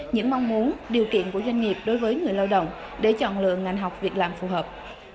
những mong muốn điều kiện của doanh nghiệp đối với người lao động để chọn lựa ngành học việc làm phù hợp